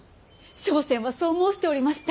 笙船はそう申しておりました。